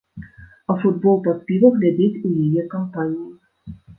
А футбол пад піва глядзець у яе кампаніі.